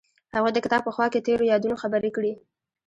هغوی د کتاب په خوا کې تیرو یادونو خبرې کړې.